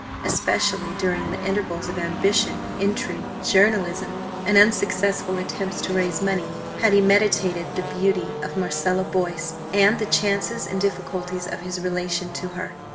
Especially during the intervals of ambition, intrigue, journalism, and unsuccessful attempts to raise money had he meditated the beauty of Marcella Boyce and the chances and difficulties of his relation to her.